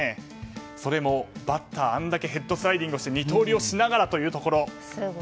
それも、バッターであれだけヘッドスライディングをしながら二刀流をしながらというところ。